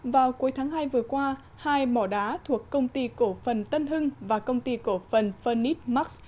vào cuối tháng hai vừa qua hai mỏ đá thuộc công ty cổ phần tân hưng và công ty cổ phần phân nith max